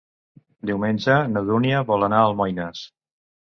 Diumenge na Dúnia vol anar a Almoines.